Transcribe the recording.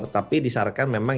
tapi disyaratkan memang